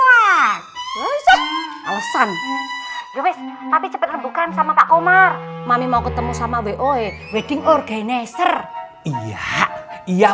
wah alasan tapi cepat rebukan sama pak komar mami mau ketemu sama boe we wedding organizer iya iya